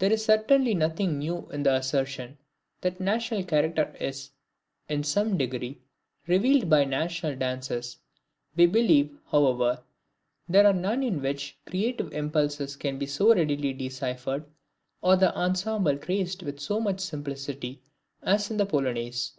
There is certainly nothing new in the assertion, that national character is, in some degree, revealed by national dances. We believe, however, there are none in which the creative impulses can be so readily deciphered, or the ensemble traced with so much simplicity, as in the Polonaise.